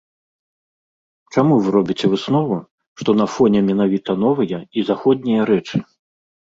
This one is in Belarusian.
Чаму вы робіце выснову, што на фоне менавіта новыя і заходнія рэчы?